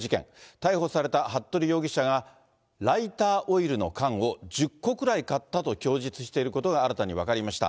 逮捕された服部容疑者が、ライターオイルの缶を１０個くらい買ったと供述していることが新たに分かりました。